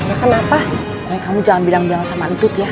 ya kadang udah hebben dro p ap visa rapnya sakit itu tadi